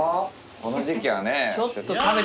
この時期はね。